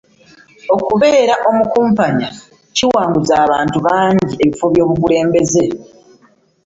Okubeera omukumpanya kuwanguzza abantu bangi ebifo by'obukulembeze.